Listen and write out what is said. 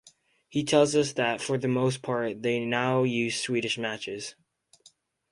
He tells us that for the most part they now use Swedish matches.